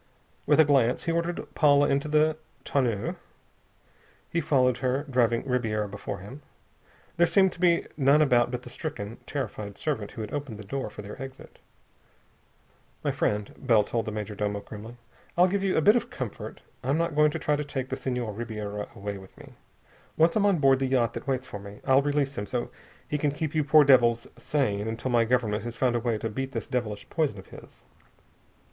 With a glance, he ordered Paula into the tonneau. He followed her, driving Ribiera before him. There seemed to be none about but the stricken, terrified servant who had opened the door for their exit. "My friend," Bell told the major domo grimly, "I'll give you a bit of comfort. I'm not going to try to take the Senhor Ribiera away with me. Once I'm on board the yacht that waits for me, I'll release him so he can keep you poor devils sane until my Government has found a way to beat this devilish poison of his.